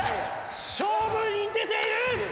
勝負に出ている！